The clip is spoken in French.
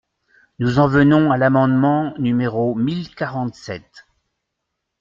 Nous en venons à l’amendement numéro mille quarante-sept.